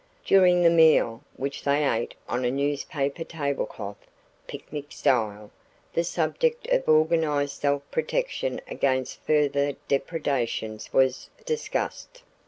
During the meal, which they ate on a "newspaper tablecloth," picnic style, the subject of organized self protection against further depredations was discussed.